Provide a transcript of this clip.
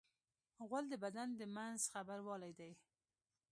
غول د بدن د منځ خبروالی دی.